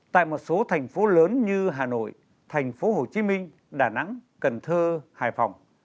tại một số thành phố lớn như hà nội thành phố hồ chí minh đà nẵng cần thơ hải phòng